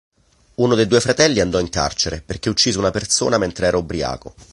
Uno dei fratelli andò in carcere perché uccise una persona mentre era ubriaco.